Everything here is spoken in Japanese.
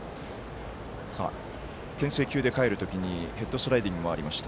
けん制球で帰る時にヘッドスライディングもありました。